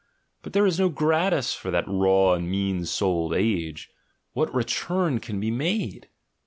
But there is no gratis for that raw and "mean souled" age. What return can be made?